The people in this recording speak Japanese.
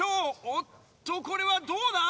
おっとこれはどうだ？